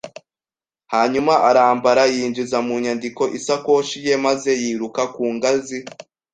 Hanyuma arambara, yinjiza mu nyandiko isakoshi ye, maze yiruka ku ngazi.